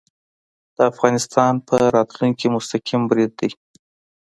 د افغانستان په راتلونکې مستقیم برید دی